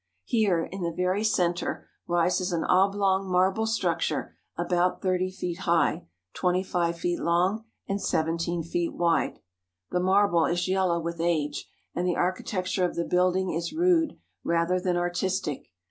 Here in the very centre rises an oblong marble structure about thirty feet high, twenty five feet long, and seventeen feet wide. The marble is yellow with age and the architecture of the building is rude rather than artistic.